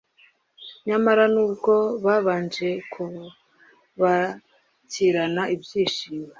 Nyamara n’ubwo babanje kubakirana ibyishimo,